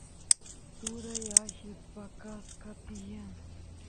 turay alli paqasqa tiyan